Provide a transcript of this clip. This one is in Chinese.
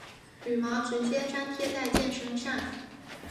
羽毛直接粘贴在箭身上。